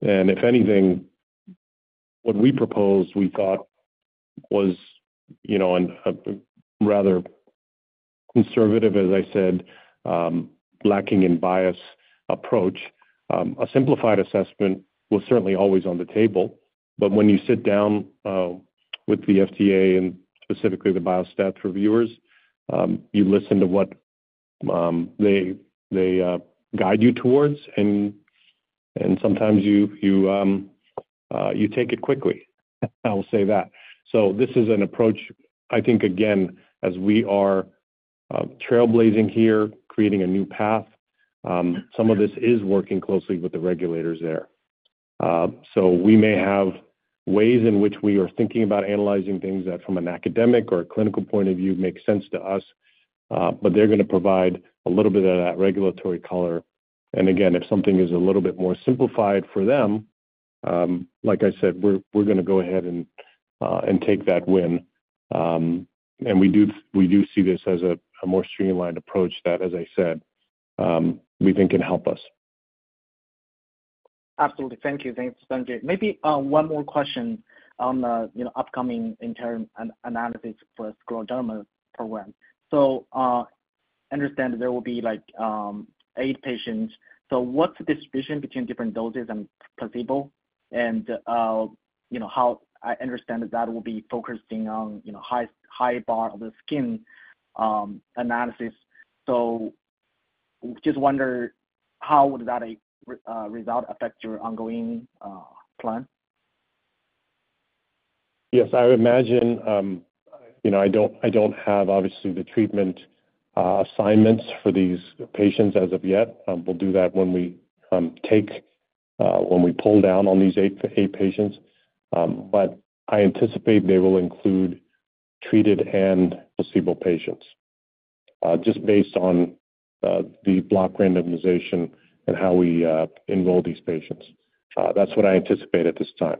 If anything, what we proposed, we thought was a rather conservative, as I said, lacking in bias approach. A simplified assessment was certainly always on the table. When you sit down with the FDA and specifically the biostats reviewers, you listen to what they guide you towards, and sometimes you take it quickly. I will say that. This is an approach, I think, again, as we are trailblazing here, creating a new path, some of this is working closely with the regulators there. We may have ways in which we are thinking about analyzing things that from an academic or a clinical point of view make sense to us, but they're going to provide a little bit of that regulatory color. If something is a little bit more simplified for them, like I said, we're going to go ahead and take that win. We do see this as a more streamlined approach that, as I said, we think can help us. Absolutely. Thank you. Thanks, Sanjay. Maybe one more question on the upcoming interim analysis for the scleroderma program. I understand there will be eight patients. What is the distribution between different doses and placebo? How I understand that will be focusing on high bar of the skin analysis. Just wonder how would that result affect your ongoing plan? Yes. I imagine I don't have, obviously, the treatment assignments for these patients as of yet. We'll do that when we pull down on these eight patients. I anticipate they will include treated and placebo patients just based on the block randomization and how we enroll these patients. That's what I anticipate at this time.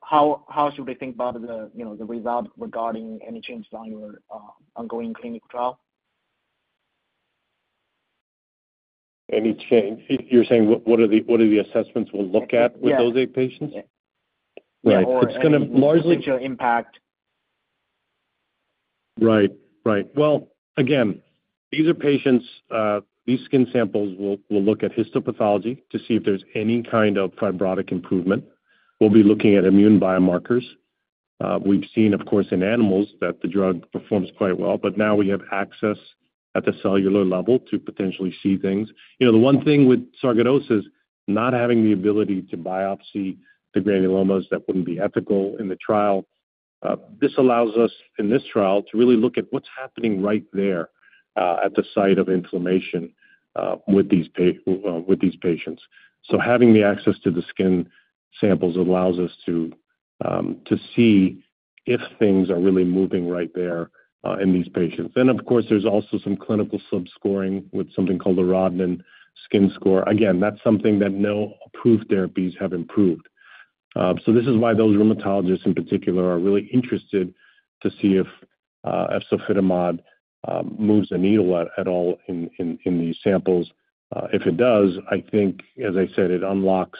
How should we think about the result regarding any change on your ongoing clinical trial? Any change? You're saying what are the assessments we'll look at with those eight patients? Right. It's going to largely— What's your impact? Right. These are patients; these skin samples will look at histopathology to see if there's any kind of fibrotic improvement. We'll be looking at immune biomarkers. We've seen, of course, in animals that the drug performs quite well. Now we have access at the cellular level to potentially see things. The one thing with sarcoidosis, not having the ability to biopsy the granulomas, that wouldn't be ethical in the trial, this allows us in this trial to really look at what's happening right there at the site of inflammation with these patients. Having the access to the skin samples allows us to see if things are really moving right there in these patients. There's also some clinical sub-scoring with something called the Rodnan skin score. Again, that's something that no approved therapies have improved. This is why those rheumatologists in particular are really interested to see if efzofitimod moves the needle at all in these samples. If it does, I think, as I said, it unlocks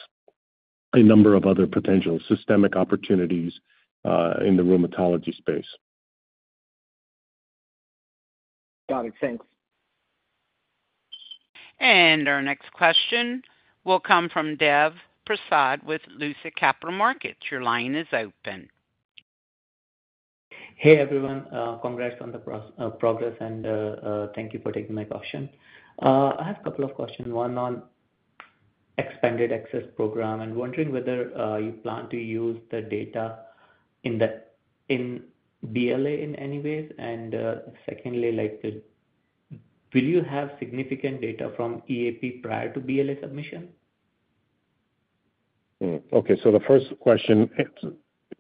a number of other potential systemic opportunities in the rheumatology space. Got it. Thanks. Our next question will come from Dev Prasad with Lucid Capital Markets. Your line is open. Hey, everyone. Congrats on the progress, and thank you for taking my question. I have a couple of questions. One on expanded access program and wondering whether you plan to use the data in BLA in any ways. Secondly, will you have significant data from EAP prior to BLA submission? The first question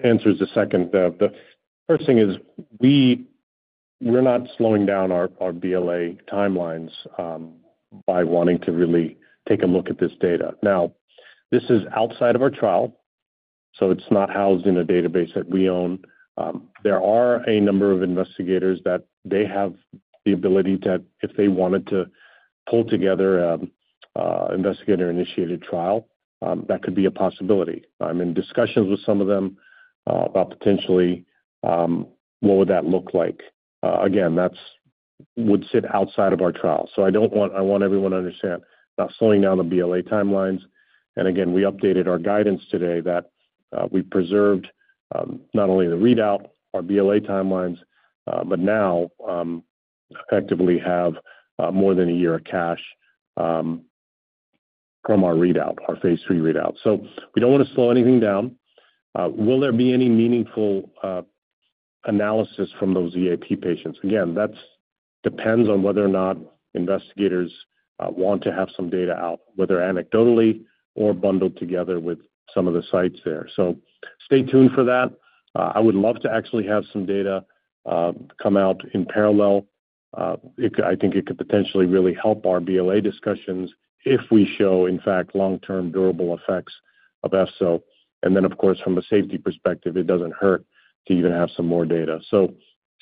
answers the second. The first thing is we're not slowing down our BLA timelines by wanting to really take a look at this data. This is outside of our trial, so it's not housed in a database that we own. There are a number of investigators that they have the ability that if they wanted to pull together an investigator-initiated trial, that could be a possibility. I'm in discussions with some of them about potentially what would that look like. Again, that would sit outside of our trial. I want everyone to understand not slowing down the BLA timelines. Again, we updated our guidance today that we preserved not only the readout, our BLA timelines, but now effectively have more than a year of cash from our readout, our phase III readout. We don't want to slow anything down. Will there be any meaningful analysis from those EAP patients? That depends on whether or not investigators want to have some data out, whether anecdotally or bundled together with some of the sites there. Stay tuned for that. I would love to actually have some data come out in parallel. I think it could potentially really help our BLA discussions if we show, in fact, long-term durable effects of Efzo. From a safety perspective, it does not hurt to even have some more data.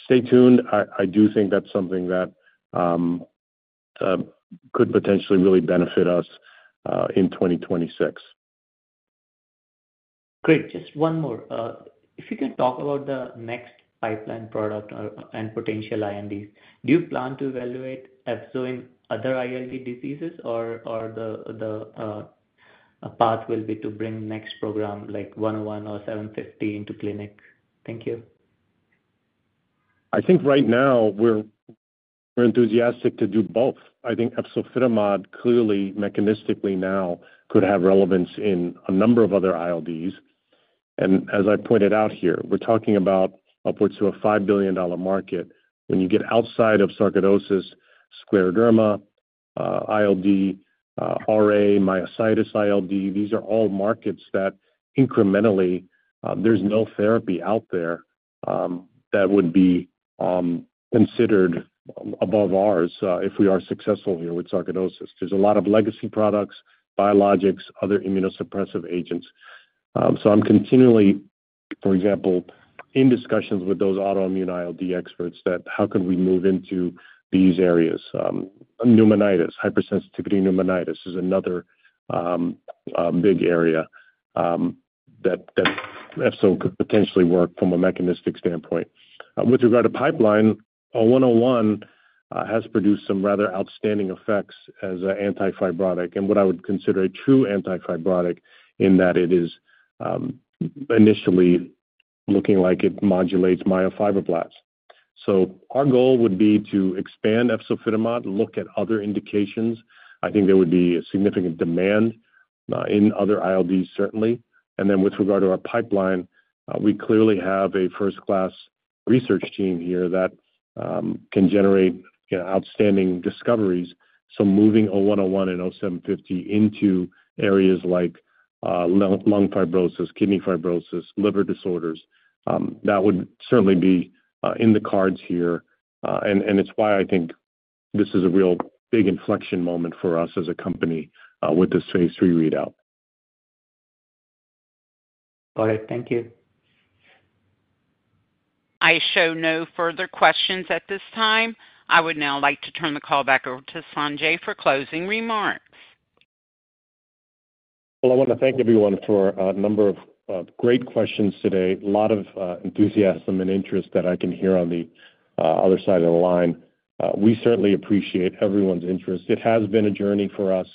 Stay tuned. I do think that is something that could potentially really benefit us in 2026. Great. Just one more. If you can talk about the next pipeline product and potential INDs, do you plan to evaluate Efzo in other ILD diseases, or the path will be to bring next program like ATYR0101 or ATYR0750 into clinic? Thank you. I think right now we are enthusiastic to do both. I think efzofitimod clearly mechanistically now could have relevance in a number of other ILDs. As I pointed out here, we're talking about upwards to a $5 billion market when you get outside of sarcoidosis, scleroderma, ILD, RA, myositis ILD. These are all markets that incrementally there's no therapy out there that would be considered above ours if we are successful here with sarcoidosis. There's a lot of legacy products, biologics, other immunosuppressive agents. I'm continually, for example, in discussions with those autoimmune ILD experts that how could we move into these areas. Pneumonitis, hypersensitivity pneumonitis is another big area that Efzo could potentially work from a mechanistic standpoint. With regard to pipeline, ATYR0101 has produced some rather outstanding effects as an antifibrotic and what I would consider a true antifibrotic in that it is initially looking like it modulates myofibroblasts. Our goal would be to expand efzofitimod, look at other indications. I think there would be a significant demand in other ILDs, certainly. And then with regard to our pipeline, we clearly have a first-class research team here that can generate outstanding discoveries. So, moving 101 and 0750 into areas like lung fibrosis, kidney fibrosis, liver disorders, that would certainly be in the cards here. It is why I think this is a real big inflection moment for us as a company with this phase III readout. All right. Thank you. I show no further questions at this time. I would now like to turn the call back over to Sanjay for closing remarks. I want to thank everyone for a number of great questions today. A lot of enthusiasm and interest that I can hear on the other side of the line. We certainly appreciate everyone's interest. It has been a journey for us.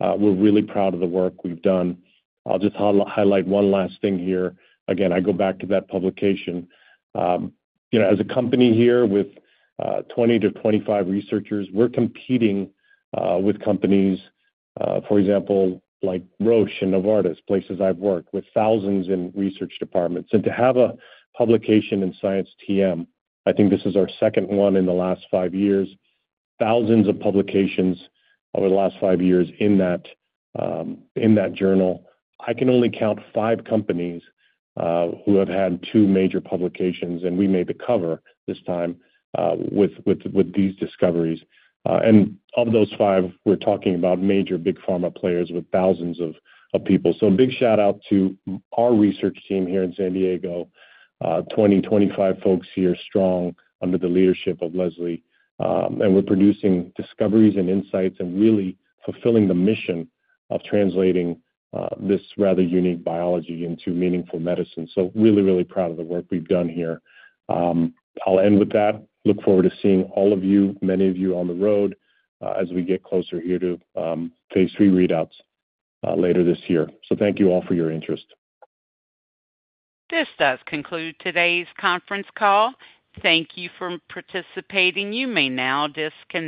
We're really proud of the work we've done. I'll just highlight one last thing here. Again, I go back to that publication. As a company here with 20-25 researchers, we're competing with companies, for example, like Roche and Novartis, places I've worked with thousands in research departments. To have a publication in Science TM, I think this is our second one in the last five years, thousands of publications over the last five years in that journal. I can only count five companies who have had two major publications, and we made the cover this time with these discoveries. Of those five, we're talking about major big pharma players with thousands of people. Big shout-out to our research team here in San Diego, 20-25 folks here strong under the leadership of Leslie. We are producing discoveries and insights and really fulfilling the mission of translating this rather unique biology into meaningful medicine. I am really, really proud of the work we have done here. I will end with that. I look forward to seeing all of you, many of you on the road as we get closer here to phase III readouts later this year. Thank you all for your interest. This does conclude today's conference call. Thank you for participating. You may now disconnect.